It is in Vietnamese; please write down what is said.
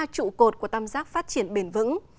trụ cột của tăm rác phát triển bền vững